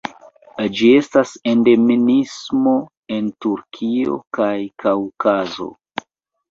Ĝi estas endemismo en Turkio kaj Kaŭkazo.